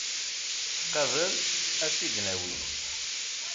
Qabel ad tt-id-nawi.